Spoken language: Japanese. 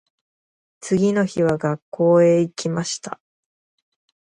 次の日は学校へ行きました。